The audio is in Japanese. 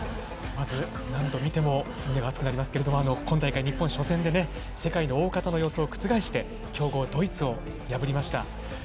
まず何度見ても胸が熱くなりますけれども今大会日本初戦で世界の大方の予想を覆して強豪ドイツを破りました。